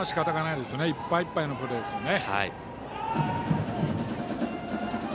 いっぱいいっぱいのプレーですね。